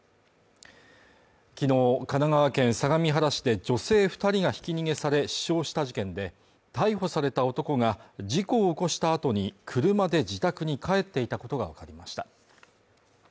昨日、神奈川県相模原市で女性２人がひき逃げされ死傷した事件で、逮捕された男が事故を起こした後に車で自宅に帰っていたことがわかりました。